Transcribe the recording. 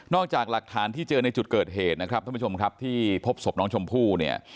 นอกจากหลักฐานที่เจอในจุดเกิดเหตุท่านผู้ชมครับที่พบสมน้องชมพู่